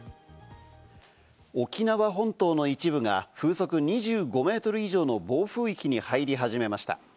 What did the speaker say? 沖縄本島の一部が風速２５メートル以上の暴風域に入り始めました。